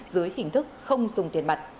dưới hình thức không dùng tiền mặt